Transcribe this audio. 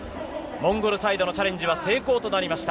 モンゴルサイドのチャレンジは成功となりました。